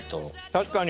確かに。